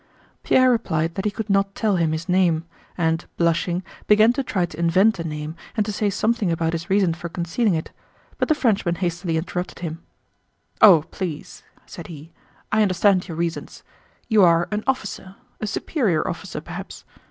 Pierre replied that he could not tell him his name and, blushing, began to try to invent a name and to say something about his reason for concealing it, but the Frenchman hastily interrupted him. "Oh, please!" said he. "I understand your reasons. You are an officer... a superior officer perhaps.